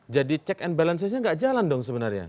jadi check and balancesnya gak jalan dong sebenarnya